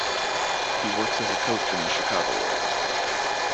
He works as a coach in the Chicago area.